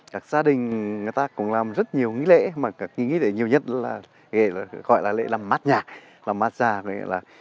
các gia đình người ta cũng làm rất nhiều nghi lễ mà cái nghi lễ nhiều nhất là gọi là lễ làm mát nhà làm mát già